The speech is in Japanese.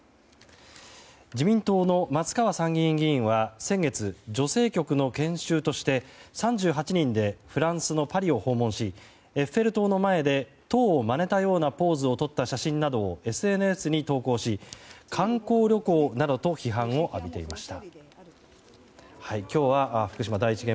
自民党の松川参議院議員は先月、女性局の研修として３８人でフランスのパリを訪問しエッフェル塔の前で塔をまねたようなポーズを撮った写真などをＳＮＳに投稿し、観光旅行などと批判を浴びていました。